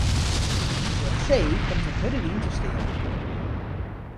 Oan see komt in hurde wyn te stean.